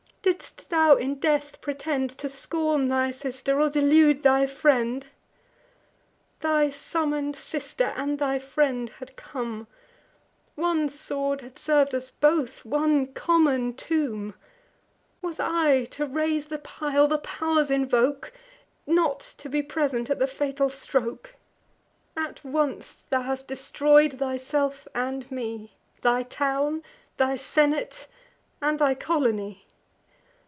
Didst thou in death pretend To scorn thy sister, or delude thy friend? Thy summon'd sister, and thy friend, had come; One sword had serv'd us both, one common tomb: Was I to raise the pile, the pow'rs invoke, Not to be present at the fatal stroke? At once thou hast destroy'd thyself and me, Thy town, thy senate, and thy colony!